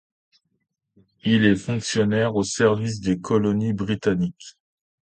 Il est fonctionnaire au service des colonies britanniques.